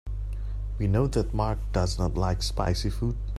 We know that Mark does not like spicy food.